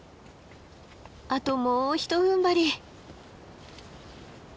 あともうひとふんばり。